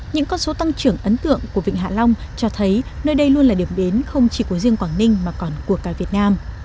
những con số tăng trưởng ấn tượng của vịnh hạ long cho thấy nơi đây luôn là điểm đến không chỉ của riêng quảng ninh mà còn của cả việt nam